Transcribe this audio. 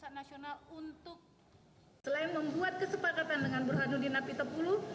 setia novanto didakwa untuk selain membuat kesepakatan dengan burhanuddin apitapulu